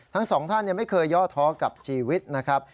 ทั้งสองท่านไม่เคยย่อท้อกับชีวิตนะครับ